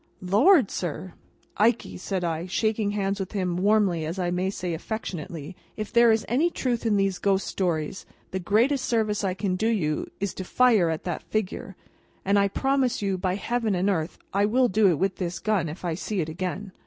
"Lord, sir?" "Ikey!" said I, shaking hands with him warmly: I may say affectionately; "if there is any truth in these ghost stories, the greatest service I can do you, is, to fire at that figure. And I promise you, by Heaven and earth, I will do it with this gun if I see it again!"